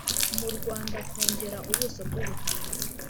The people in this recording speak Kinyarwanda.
mu rwanda kongera ubuso bw'ubutaka